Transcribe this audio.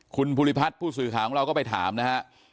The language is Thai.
คุณภูริพัฒน์ผู้สื่อข่าวของเราก็ไปถามนะฮะ